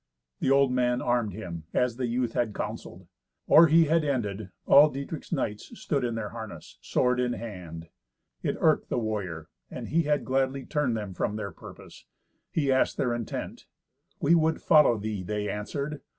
The old man armed him as the youth had counselled. Or he had ended, all Dietrich's knights stood in their harness, sword in hand. It irked the warrior, and he had gladly turned them from their purpose. He asked their intent. "We would follow thee," they answered.